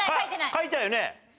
書いたよね？